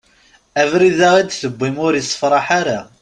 Abrid-a i d-tewwim ur issefraḥ ara.